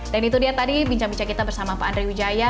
dan itu dia tadi bincang bincang kita bersama pak andre widjaya